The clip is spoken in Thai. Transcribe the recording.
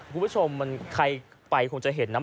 คุณผู้ชมมันใครไปคงจะเห็นนะ